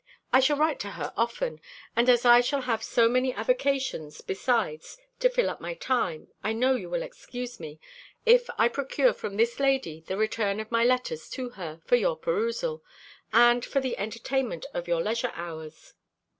I shall write to her often: and as I shall have so many avocations besides to fill up my time, I know you will excuse me, if I procure from this lady the return of my letters to her, for your perusal, and for the entertainment of your leisure hours.